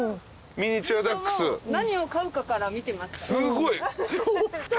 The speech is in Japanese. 何を飼うかから見てました。